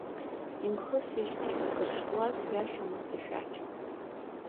Имхысижьҭеи акыр шҵуаз ҩашьомызт ашәақь.